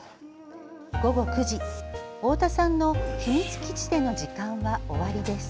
午後９時、太田さんの秘密基地での時間は終わりです。